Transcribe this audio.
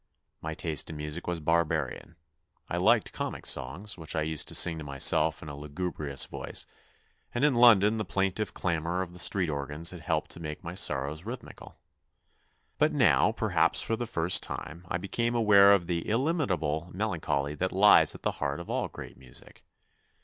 My taste in music was barbarian ; I liked comic songs, which I used to sing to myself in a lugubrious voice, and in London the plaintive clamour of the street organs had helped to make my sorrows rhythmical. But now, per haps for the first time, I became aware of the illimitable melancholy that lies at the heart of all great music.